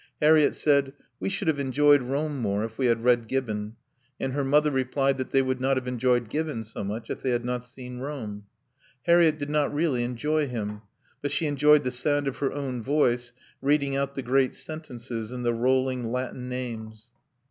Harriett said, "We should have enjoyed Rome more if we had read Gibbon," and her mother replied that they would not have enjoyed Gibbon so much if they had not seen Rome. Harriett did not really enjoy him; but she enjoyed the sound of her own voice reading out the great sentences and the rolling Latin names.